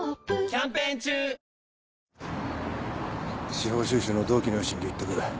司法修習の同期のよしみで言っとく。